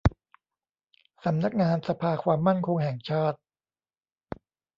สำนักงานสภาความมั่นคงแห่งชาติ